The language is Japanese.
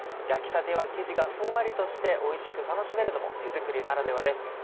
焼きたては生地がふんわりとしておいしく楽しめるのも手作りならではです。